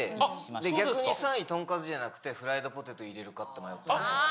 逆に、３位トンカツじゃなくて、フライドポテト入れるかって迷ったんです。